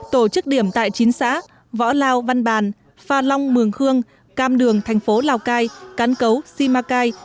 tổ chức điểm tại chín xã võ lao văn bàn pha long mường khương cam đường thành phố lào cai cán cấu simacai